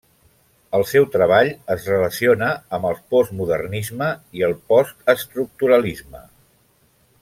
El seu treball es relaciona amb el postmodernisme i el postestructuralisme.